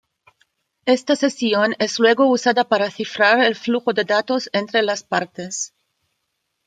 Esta sesión es luego usada para cifrar el flujo de datos entre las partes.